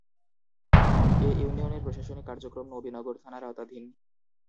এ ইউনিয়নের প্রশাসনিক কার্যক্রম নবীনগর থানার আওতাধীন।